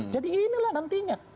jadi inilah nantinya